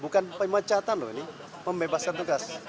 bukan pemecatan loh ini membebaskan tugas